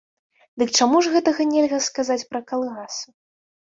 Дык чаму ж гэтага нельга сказаць пра калгасы?